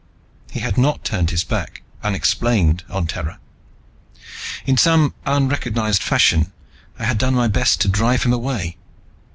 He had not turned his back, unexplained on Terra. In some unrecognized fashion, I had done my best to drive him away.